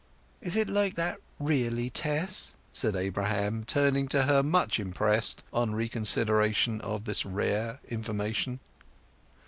"Is it like that really, Tess?" said Abraham, turning to her much impressed, on reconsideration of this rare information.